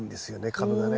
株がね。